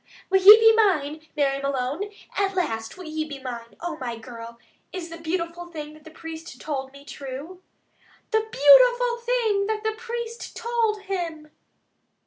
Will ye be mine, Mary Malone? At last will you be mine? Oh, my girl, is the beautiful thing that the priest told me true?" "THE BEAUTIFUL THING THAT THE PRIEST TOLD HIM!"